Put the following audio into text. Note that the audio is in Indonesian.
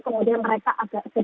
kemudian mereka agak sedikit trauma